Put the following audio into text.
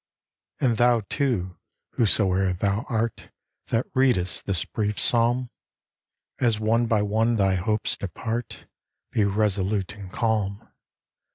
And thou, too, whosoe'er thou art, That readest this brief psalm, As one by one thy hopes depart, Be resolute and calm.